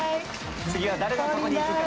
次は誰のとこに行くかな。